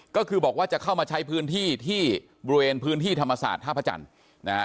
ก็คือบอกว่าจะเข้ามาใช้พื้นที่ที่บริเวณพื้นที่ธรรมศาสตร์ท่าพระจันทร์นะฮะ